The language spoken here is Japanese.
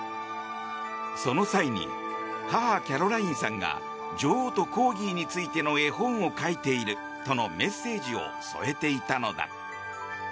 その際に、母キャロラインさんが女王とコーギーについての絵本を書いているとのメッセージを添えていたのだ。